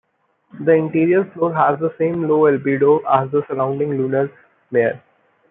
The interior floor has the same low albedo as the surrounding lunar mare.